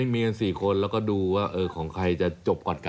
มีกัน๔คนแล้วก็ดูว่าของใครจะจบก่อนกัน